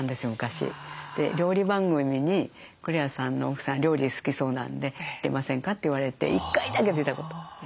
で料理番組に「栗原さんの奥さん料理好きそうなんで出ませんか？」って言われて１回だけ出たことある。